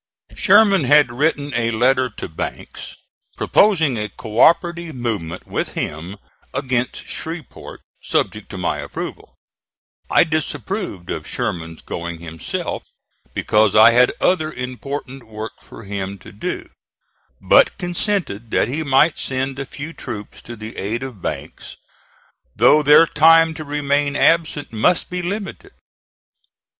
Sherman had written a letter to Banks, proposing a co operative movement with him against Shreveport, subject to my approval. I disapproved of Sherman's going himself, because I had other important work for him to do, but consented that he might send a few troops to the aid of Banks, though their time to remain absent must be limited.